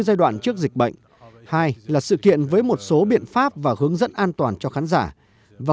giai đoạn trước dịch bệnh hai là sự kiện với một số biện pháp và hướng dẫn an toàn cho khán giả và